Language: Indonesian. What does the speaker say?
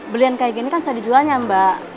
belian kayak gini kan sudah dijualnya mbak